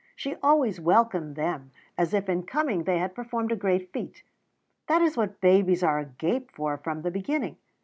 She always welcomed them as if in coming they had performed a great feat. That is what babies are agape for from the beginning.